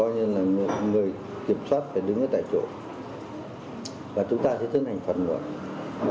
như là một người kiểm soát phải đứng ở tại chỗ và chúng ta sẽ dân hành phản luận